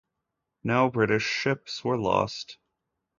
No British ships were lost.